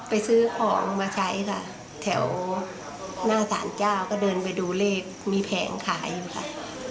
ไปซื้อของมาใช้ค่ะแถวหน้าสารเจ้าก็เดินไปดูเลขมีแผงขายอยู่ค่ะ